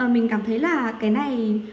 mình cảm thấy là cái này